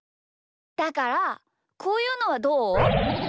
だからこういうのはどう？